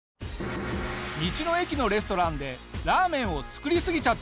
道の駅のレストランでラーメンを作りすぎちゃってるソネさん。